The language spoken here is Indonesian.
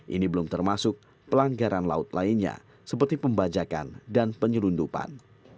ini belum termasuk pelanggaran laut lainnya seperti pembajakan dan penyelundupan